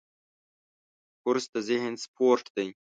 کورس د ذهن سپورټ دی.